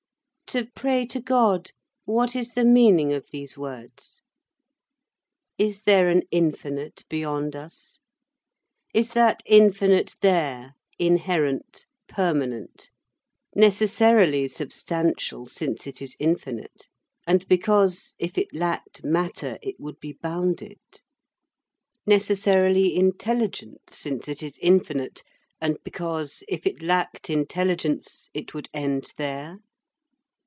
To pray to God,—what is the meaning of these words? Is there an infinite beyond us? Is that infinite there, inherent, permanent; necessarily substantial, since it is infinite; and because, if it lacked matter it would be bounded; necessarily intelligent, since it is infinite, and because, if it lacked intelligence, it would end there?